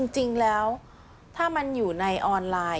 จริงแล้วถ้ามันอยู่ในออนไลน์